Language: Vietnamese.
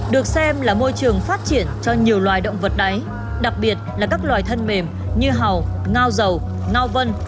được xem là môi trường phát triển cho nhiều loài động vật đáy đặc biệt là các loài thân mềm như hầu ngao dầu vân